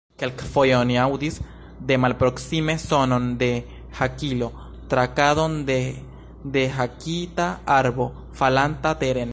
Kelkfoje oni aŭdis de malproksime sonon de hakilo, krakadon de dehakita arbo, falanta teren.